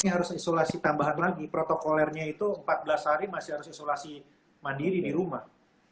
ini harus isolasi tambahan lagi protokolernya itu empat belas hari masih harus isolasi mandiri di rumah